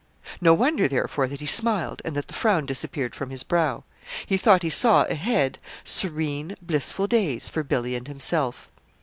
No wonder, therefore, that he smiled, and that the frown disappeared from his brow. He thought he saw, ahead, serene, blissful days for Billy and himself.